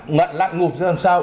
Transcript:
ngận lặng ngụp ra làm sao